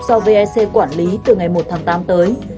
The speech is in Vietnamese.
do vec quản lý từ ngày một tháng tám tới